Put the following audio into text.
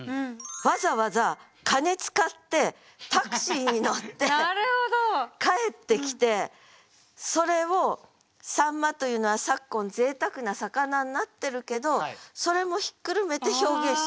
わざわざ金使ってタクシーに乗って帰ってきてそれを秋刀魚というのは昨今ぜいたくな魚になってるけどそれもひっくるめて表現しちゃってる。